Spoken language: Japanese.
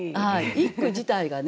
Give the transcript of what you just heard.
一句自体がね